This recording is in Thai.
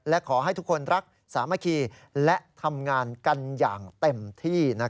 และขอให้ทุกคนรักสามัคคีและทำงานกันอย่างเต็มที่